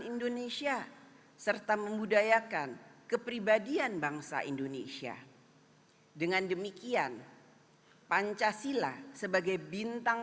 indonesia serta membudayakan kepribadian bangsa indonesia dengan demikian pancasila sebagai bintang